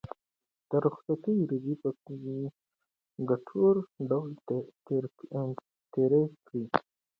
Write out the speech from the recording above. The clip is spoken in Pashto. د رخصتۍ ورځې په ګټور ډول تېرې کړئ.